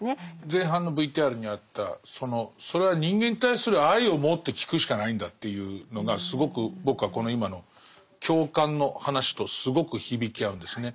前半のＶＴＲにあったそのそれは人間に対する愛をもって聞くしかないんだっていうのがすごく僕はこの今の共感の話とすごく響き合うんですね。